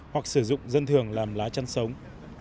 hoặc sử dụng dân thường làm lá chăn sống